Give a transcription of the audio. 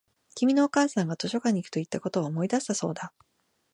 君のお母さんが図書館に行くと言ったことを思い出したそうだ